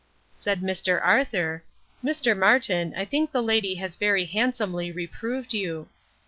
Said Mr. Arthur, Mr. Martin, I think the lady has very handsomely reproved you.